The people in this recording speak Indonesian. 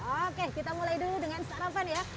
oke kita mulai dulu dengan sarapan ya